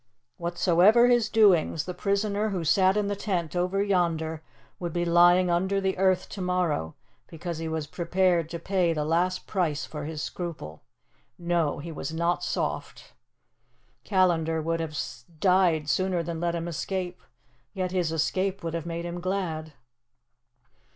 Whatsoever his doings, the prisoner who sat in the tent over yonder would be lying under the earth to morrow because he was prepared to pay the last price for his scruple. No, he was not soft. Callandar would have died sooner than let him escape, yet his escape would have made him glad.